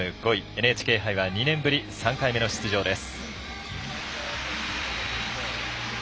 ＮＨＫ杯は２年ぶり３回目の出場です。